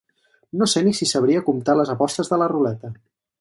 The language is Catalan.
No sé ni si sabria comptar les apostes de la ruleta.